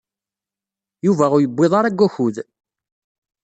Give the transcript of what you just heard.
Yuba ur yewwiḍ ara deg wakud.